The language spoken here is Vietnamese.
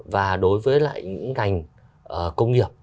và đối với lại những ngành công nghiệp